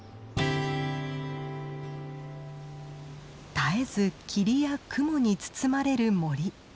絶えず霧や雲に包まれる森。